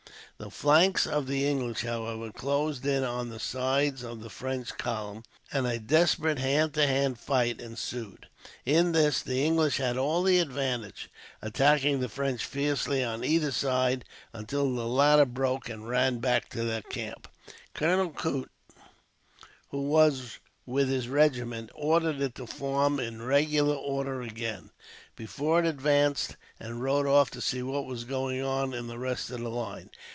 The flanks of the English, however, closed in on the sides of the French column, and a desperate hand to hand fight ensued. In this, the English had all the advantage, attacking the French fiercely on either side, until the latter broke and ran back to the camp. Colonel Coote, who was with his regiment, ordered it to form in regular order again, before it advanced, and rode off to see what was going on in the rest of the line.